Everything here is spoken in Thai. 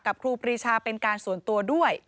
ครูปรีชาเป็นการส่วนตัวด้วย